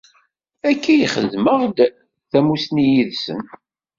Akka i xedmeɣ-d tamussni yid-sen.